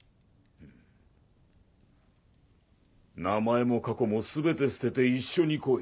名前も過去も全て捨てて一緒に来い。